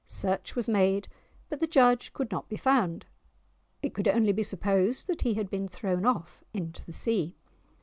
Search was made, but the judge could not be found. It could only be supposed that he had been thrown off into the sea.